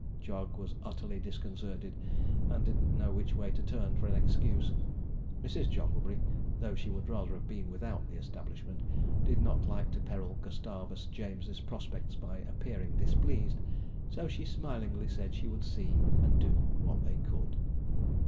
Jog was utterly disconcerted, and didn't know which way to turn for an excuse. Mrs. Jogglebury, though she would rather have been without the establishment, did not like to peril Gustavus James's prospects by appearing displeased; so she smilingly said she would see and do what they could.